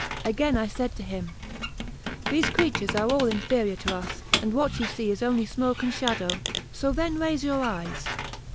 Again I said to him: "These creatures are all inferior to us, and what you see is only smoke and shadow; so then raise your eyes."